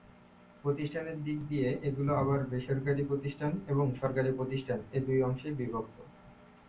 প্রতিষ্ঠানের দিক দিয়ে এগুলো আবার বেসরকারী প্রতিষ্ঠান এবং সরকারী প্রতিষ্ঠান এ দুই অংশে বিভক্ত।